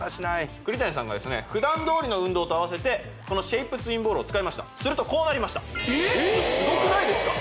栗谷さんが普段どおりの運動と合わせてこのシェイプツインボールを使いましたするとこうなりましたスゴくないですか？